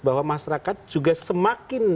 bahwa masyarakat juga semakin